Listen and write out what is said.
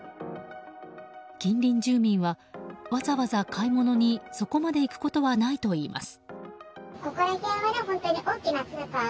近隣住民は、わざわざ買い物にそこまで行くことはないといいます。